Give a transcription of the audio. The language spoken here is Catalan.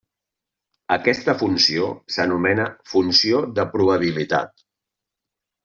Aquesta funció s'anomena funció de probabilitat.